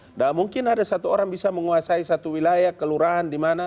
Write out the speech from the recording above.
tidak mungkin ada satu orang bisa menguasai satu wilayah kelurahan di mana